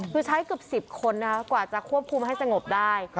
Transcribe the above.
คือใช้เกือบ๑๐คนกว่าจะควบคุมให้สงบได้